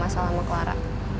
masalah sama clara